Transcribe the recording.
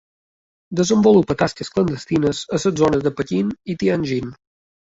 Desenvolupa tasques clandestines a les zones de Pequín i Tianjin.